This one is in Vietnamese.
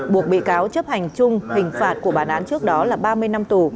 buộc bị cáo chấp hành chung hình phạt của bản án trước đó là ba mươi năm tù